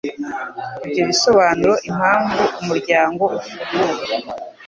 Ibyo bisobanura impamvu umuryango ufunguye.